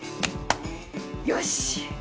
よし！